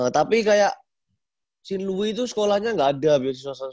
tapi kayak st louis itu sekolahnya gak ada beasiswa seratus